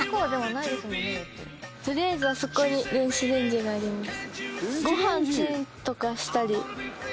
取りあえずあそこに電子レンジがあります。